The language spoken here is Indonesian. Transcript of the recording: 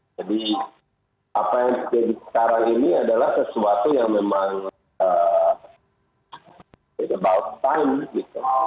jadi apa yang terjadi sekarang ini adalah sesuatu yang memang about time